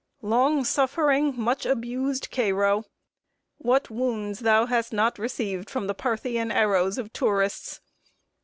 Long suffering, much abused Cairo! What wounds hast thou not received from the Parthian arrows of tourists!